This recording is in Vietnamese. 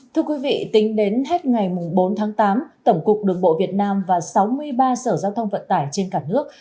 thưa quý vị tính đến hết ngày bốn tháng tám tổng cục đường bộ việt nam và sáu mươi ba sở giao thông vận tải trên cả nước